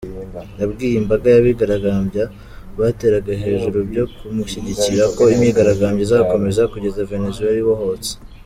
Yabwiye imbaga y'abigaragambya, bateraga hejuru byo kumushyigikira, ko imyigaragambyo izakomeza "kugeza Venezuela ibohotse".